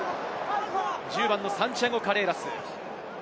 １０番のサンティアゴ・カレーラス。